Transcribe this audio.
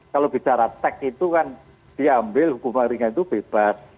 kalau bicara teks itu kan diambil hukuman ringan itu bebas